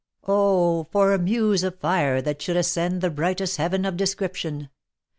Oh ! for a muse of fire that should ascend The brightest heaven of description !